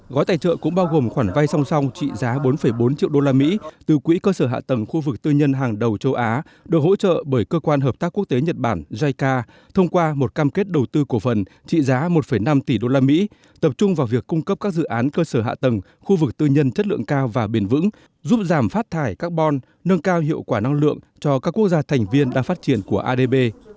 gói tài trợ cũng bao gồm khoản vay song song trị giá bốn bốn triệu usd từ quỹ cơ sở hạ tầng khu vực tư nhân hàng đầu châu á được hỗ trợ bởi cơ quan hợp tác quốc tế nhật bản jica thông qua một cam kết đầu tư cổ phần trị giá một năm tỷ usd tập trung vào việc cung cấp các dự án cơ sở hạ tầng khu vực tư nhân chất lượng cao và bền vững giúp giảm phát thải carbon nâng cao hiệu quả năng lượng cho các quốc gia thành viên đang phát triển của adb